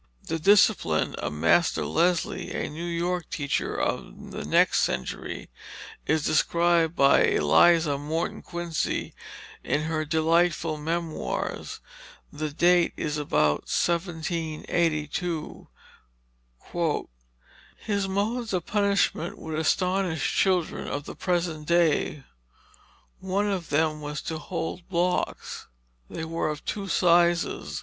The discipline of Master Leslie, a New York teacher of the next century, is described by Eliza Morton Quincy in her delightful Memoirs. The date is about 1782: "His modes of punishment would astonish children of the present day. One of them was to hold the blocks. They were of two sizes.